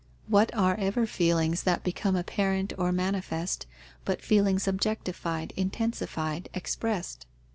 What are ever feelings that become apparent or manifest, but feelings objectified, intensified, expressed?